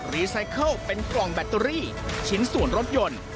รีไซเคิลเป็นกล่องแบตเตอรี่ชิ้นส่วนรถยนต์